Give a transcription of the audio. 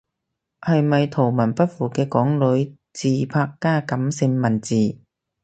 係咪圖文不符嘅港女自拍加感性文字？